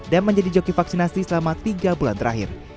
dan menjadi joki vaksinasi selama tiga bulan terakhir